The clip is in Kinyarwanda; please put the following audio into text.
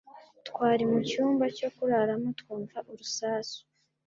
Twari mucyumba cyo kuraramo twumva urusasu